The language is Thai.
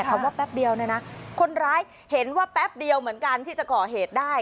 ว่าแป๊บเดียวเนี่ยนะคนร้ายเห็นว่าแป๊บเดียวเหมือนกันที่จะก่อเหตุได้